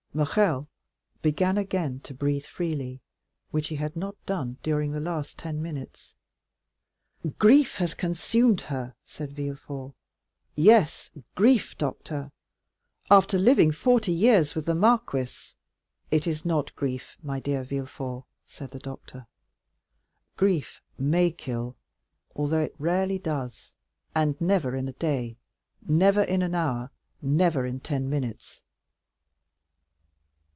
Morrel began again to breathe freely, which he had not done during the last ten minutes. "Grief has consumed her," said Villefort—"yes, grief, doctor! After living forty years with the marquis——" "It is not grief, my dear Villefort," said the doctor; "grief may kill, although it rarely does, and never in a day, never in an hour, never in ten minutes."